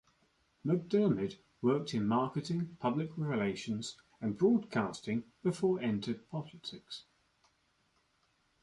McDermid worked in marketing, public relations and broadcasting before entered politics.